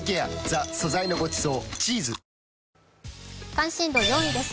関心度４位です。